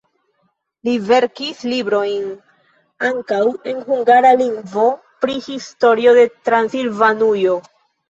Li verkis librojn ankaŭ en hungara lingvo pri historio de Transilvanujo.